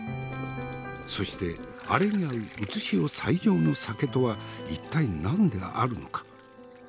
そしてアレに合う現世最上の酒とは一体何であるのか。